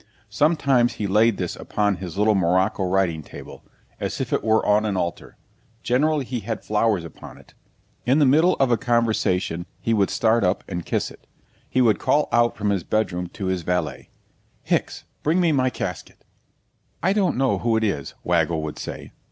Sometimes he laid this upon his little morocco writing table, as if it were on an altar generally he had flowers upon it; in the middle of a conversation he would start up and kiss it. He would call out from his bed room to his valet, 'Hicks, bring me my casket!' 'I don't know who it is,' Waggle would say.